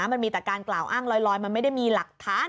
มันมีแต่การกล่าวอ้างลอยมันไม่ได้มีหลักฐาน